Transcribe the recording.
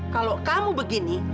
kalau kamu begini